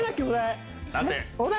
お題